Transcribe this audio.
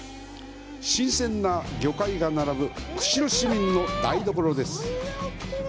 新鮮な魚介が並ぶ釧路市民の台所です。